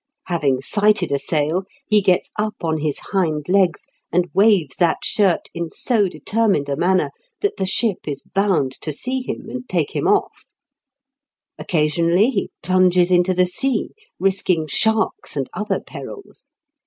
Having sighted a sail, he gets up on his hind legs and waves that shirt in so determined a manner that the ship is bound to see him and take him off. Occasionally he plunges into the sea, risking sharks and other perils.